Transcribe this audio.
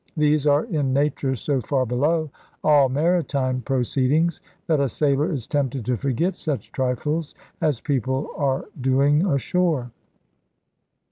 These are in nature so far below all maritime proceedings, that a sailor is tempted to forget such trifles as people are doing ashore.